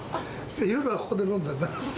夜はここで飲んでるの。